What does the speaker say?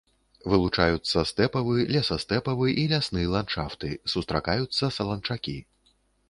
Вылучаюцца стэпавы, лесастэпавы і лясны ландшафты, сустракаюцца саланчакі.